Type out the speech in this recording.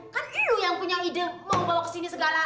kan lu yang punya ide mau bawa kesini segala